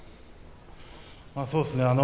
そうですね。